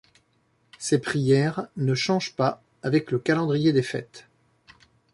Ces prières ne changent pas avec le calendrier des fêtes.